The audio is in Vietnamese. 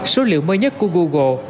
số liệu mới nhất của google